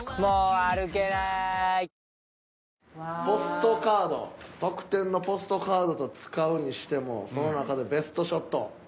ポストカード特典のポストカードと使うにしてもその中でベストショット。